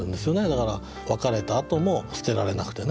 だから別れたあとも捨てられなくてね。